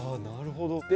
なるほど。